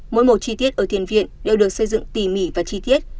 mỗi một chi tiết ở thiền viện đều được xây dựng tỉ mỉ và chi tiết